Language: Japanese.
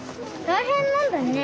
大変なんだね。